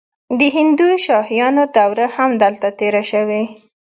د هندوشاهیانو دوره هم دلته تیره شوې